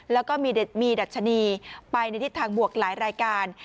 แล้วก็มีดัชนีไปในทิศทางบวกหลายรายการ